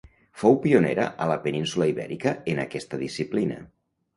Fou pionera a la península Ibèrica en aquesta disciplina.